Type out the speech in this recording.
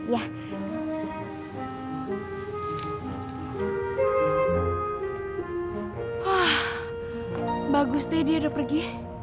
wah bagus deh dia udah pergi